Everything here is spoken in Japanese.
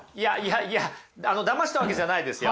いやだましたわけじゃないですよ。